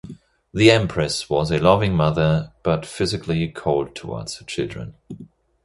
The Empress was a loving mother, but physically cold towards her children.